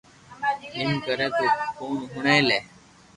ايم ڪري تو ڪوڻ ھوڻي لي